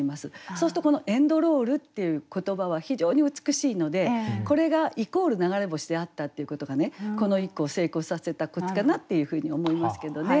そうするとこの「エンドロール」っていう言葉は非常に美しいのでこれがイコール流れ星であったっていうことがこの一句を成功させたコツかなっていうふうに思いますけどね。